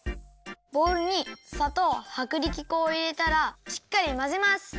ボウルにさとうはくりき粉をいれたらしっかりまぜます。